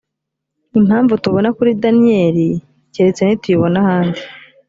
impamvu tubona kuri daniyeli keretse nituyibona ahandi.